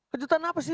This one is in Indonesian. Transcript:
kejutan apa sih